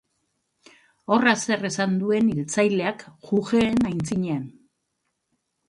Horra zer esan duen hiltzaileak jujeen aitzinean.